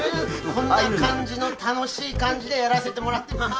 こんな感じの楽しい感じでやらせてもらってます。